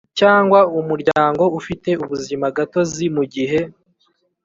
Cyangwa umuryango ufite ubuzimagatozi mu gihe